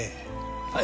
はい。